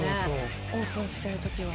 オープンしてる時は。